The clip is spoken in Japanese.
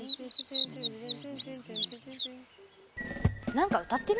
何か歌ってる？